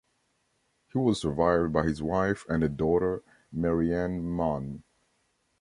He was survived by his wife and a daughter, Mary Ann Munn.